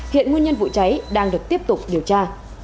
hiện nguyên nhân vụ cháy đang được tiếp tục điều tra